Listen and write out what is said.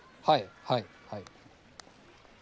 はいはいはい。